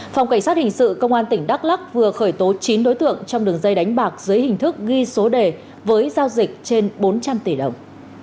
phòng cảnh sát hình sự công an tỉnh đắk lắc vừa khởi tố chín đối tượng trong đường dây đánh bạc dưới hình thức ghi số đề với giao dịch trên bốn trăm linh tỷ đồng